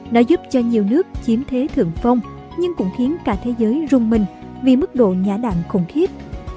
nó giúp cho nhiều nước chiếm thế thượng phong nhưng cũng khiến cả thế giới rung mình vì mức độ nhã đạn khủng khiếp